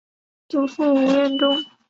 祖父吴彦忠。